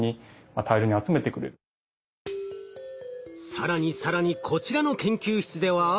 更に更にこちらの研究室では？